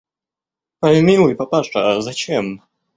Помилуй, папаша, зачем?